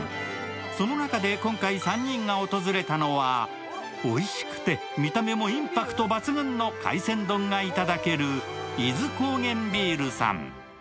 その中で今回３人が訪れたのは、おいしくて見た目もインパクト抜群の海鮮丼がいただける伊豆高原ビールでさん。